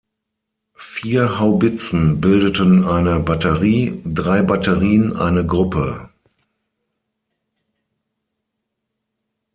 Vier Haubitzen bildeten eine Batterie, drei Batterien eine Gruppe.